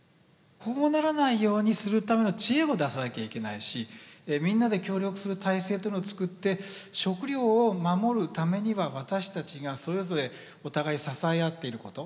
こうならないようにするための知恵を出さなきゃいけないしみんなで協力する体制というのを作って食料を守るためには私たちがそれぞれお互い支え合っていること。